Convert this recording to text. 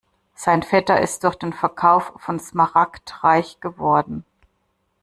Sein Vetter ist durch den Verkauf von Smaragd reich geworden.